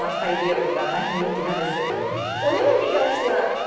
お値段に関しては。